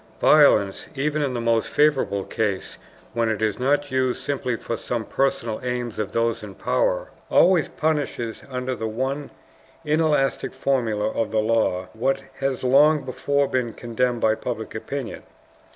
Violence, even in the most favorable case, when it is not used simply for some personal aims of those in power, always punishes under the one inelastic formula of the law what has long before been condemned by public opinion.